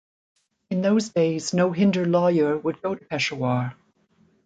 In those days no Hindu lawyer would go to Peshawar.